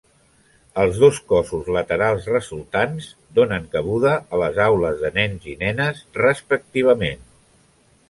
Els dos cossos laterals resultants donen cabuda a les aules de nens i nenes respectivament.